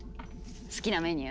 好きなメニュー？